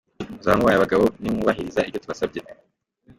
Muzaba mubaye abagabo nimwubahiriza ibyo tubasabye..